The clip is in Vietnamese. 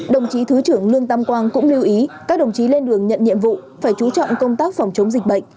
đồng chí thứ trưởng lương tam quang cũng lưu ý các đồng chí lên đường nhận nhiệm vụ phải chú trọng công tác phòng chống dịch bệnh